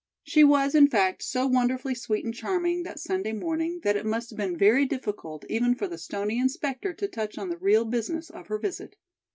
She was, in fact, so wonderfully sweet and charming that Sunday morning that it must have been very difficult even for the stony inspector to touch on the real business of her visit.